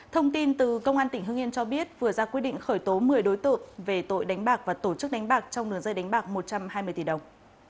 thông tin từ công an tỉnh hưng yên cho biết vừa ra quyết định khởi tố một mươi đối tượng về tội đánh bạc và tổ chức đánh bạc trong đường dây đánh bạc một trăm hai mươi tỷ đồng